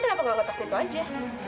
kenapa gak ngetokin itu aja